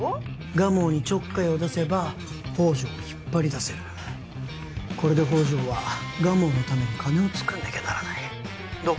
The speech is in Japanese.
蒲生にちょっかいを出せば宝条を引っ張り出せるこれで宝条は蒲生のために金を☎つくんなきゃならないどう？